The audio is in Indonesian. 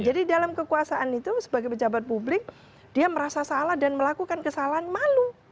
jadi dalam kekuasaan itu sebagai pejabat publik dia merasa salah dan melakukan kesalahan malu